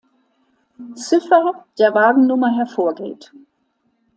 Ziffer der Wagennummer hervorgeht.